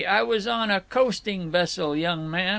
I was on a coasting vessel, young man.